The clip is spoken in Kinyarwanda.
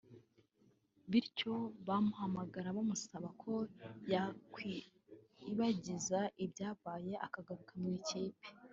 bityo bamuhamagara bamusaba ko yakwiyibagiza ibyabaye akagaruka mu ikipe